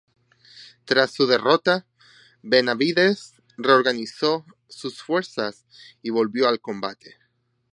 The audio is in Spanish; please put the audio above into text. Tras su derrota, Benavides reorganizó sus fuerzas y volvió al combate.